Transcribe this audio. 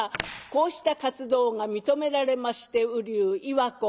こうした活動が認められまして瓜生岩子